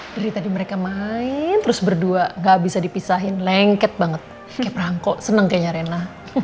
jadi tadi mereka main terus berdua ga bisa dipisahin lengket banget kaya perangkok seneng kaya rena